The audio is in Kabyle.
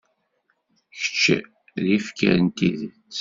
Kečč d ifker n tidet.